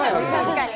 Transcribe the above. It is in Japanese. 確かに。